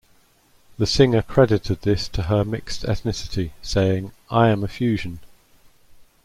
The singer credited this to her mixed ethnicity, saying I am a fusion.